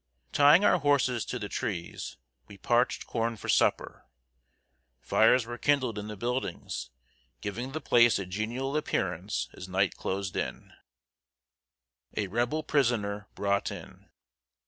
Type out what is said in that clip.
Tying our horses to the trees, we parched corn for supper. Fires were kindled in the buildings, giving the place a genial appearance as night closed in. [Sidenote: A REBEL PRISONER BROUGHT IN.